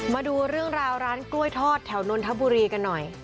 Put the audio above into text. มาดูเรื่องราวร้านกล้วยทอดแถวนนทบุรีกันหน่อย